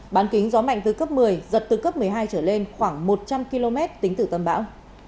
bán kính gió mạnh từ cấp một mươi giật từ cấp một mươi hai trở lên khoảng một trăm linh km tính từ tâm bão